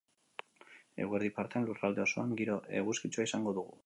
Eguerdi partean lurralde osoan giro eguzkitsua izango dugu.